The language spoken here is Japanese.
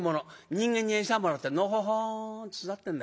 人間に餌もらってのほほんと育ってんだ。